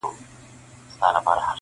خلک يې يادونه کوي ډېر,